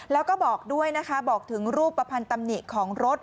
แล้วก็บอกด้วยนะคะบอกถึงรูปภัณฑ์ตำหนิของรถ